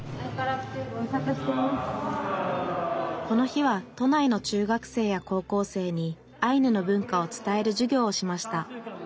この日は都内の中学生や高校生にアイヌの文化を伝える授業をしました